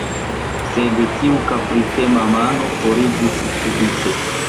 Sed tiu kapricema mano foriĝis subite.